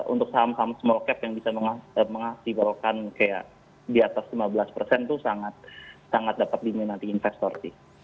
untuk saham saham small cap yang bisa mengasihkan kayak di atas lima belas persen itu sangat dapat diminati investor sih